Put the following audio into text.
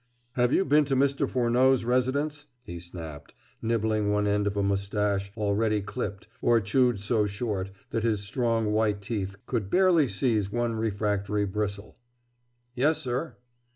"Have you been to Mr. Furneaux's residence?" he snapped, nibbling one end of a mustache already clipped or chewed so short that his strong white teeth could barely seize one refractory bristle. "Yes, sir."